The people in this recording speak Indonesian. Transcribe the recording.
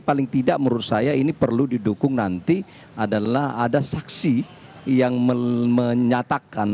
paling tidak menurut saya ini perlu didukung nanti adalah ada saksi yang menyatakan